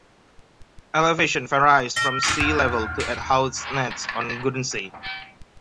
Elevation varies from sea level to at Hautnez on Guernsey.